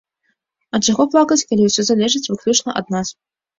А чаго плакаць, калі ўсё залежыць выключна ад нас?